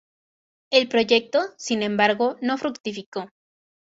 El proyecto, sin embargo, no fructificó.